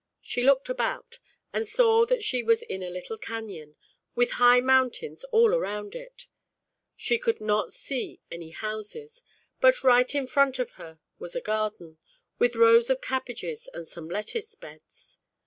She looked about, and saw that she was in a little Canyon, with high Mountains all around it. She could not see any houses, but right in front of her was a garden, with rows of cabbages and some lettuce beds.